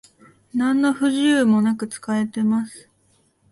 なんの不自由もなく使えてます